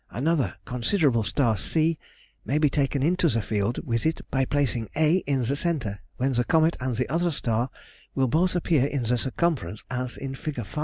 Another considerable star, c, may be taken into the field with it by placing a in the centre, when the comet and the other star will both appear in the circumference, as in Fig.